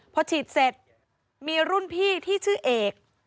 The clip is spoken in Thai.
พอฉีดเสร็จมีรุ่นพี่ที่ชื่อเอก